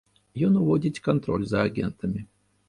Ён уводзіць кантроль за агентамі.